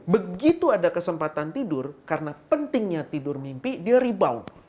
begitu ada kesempatan tidur karena pentingnya tidur mimpi dia rebound